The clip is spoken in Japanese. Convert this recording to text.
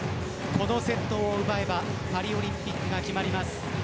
このセットを奪えばパリオリンピックが決まります。